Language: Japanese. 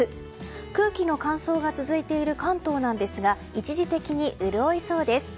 空気の乾燥が続いている関東なんですが一時的に潤いそうです。